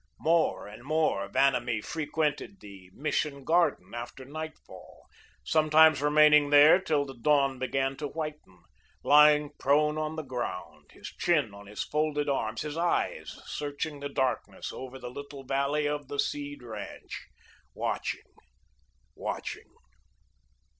More and more Vanamee frequented the Mission garden after nightfall, sometimes remaining there till the dawn began to whiten, lying prone on the ground, his chin on his folded arms, his eyes searching the darkness over the little valley of the Seed ranch, watching, watching.